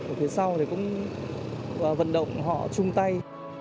ở phía sau thì cũng vận động họ chung tay